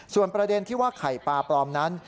ส่วนประเด็นที่ว่าไข่ปลาปลอมนั้น